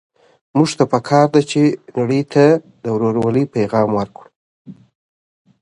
موږ ته په کار ده چي نړۍ ته د ورورولۍ پيغام ورکړو.